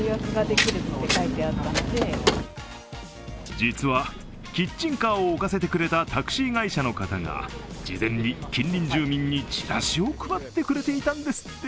実はキッチンカーを置かせてくれたタクシー会社の方が、事前に近隣住民にチラシを配ってくれていたんですって。